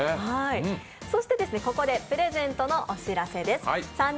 ここでプレゼントのお知らせです。